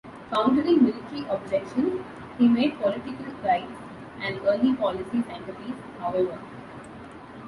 Countering military objections, he made political rights an early policy centerpiece, however.